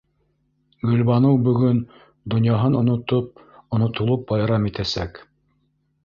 Гөлбаныу бөгөн донъяһын онотоп, онотолоп байрам итәсәк!